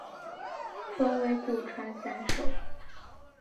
分为古传散手。